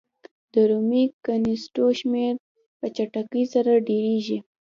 د رومي کښتیو شمېر په چټکۍ سره ډېرېږي.